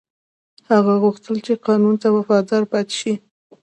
هغه غوښتل چې قانون ته وفادار پاتې شي.